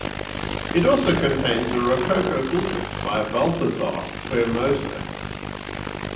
It also contains a Rococo pulpit by Balthasar Permoser.